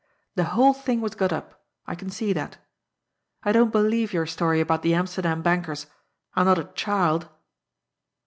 The whole thing was got up ; I can see that. I don't be lieve your story about the Amsterdam bankers. I'm not a child."